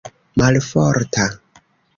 malforta